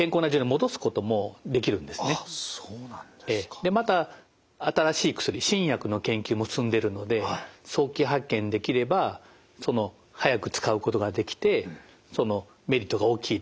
でまた新しい薬新薬の研究も進んでいるので早期発見できれば早く使うことができてメリットが大きいと。